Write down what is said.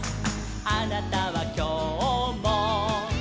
「あなたはきょうも」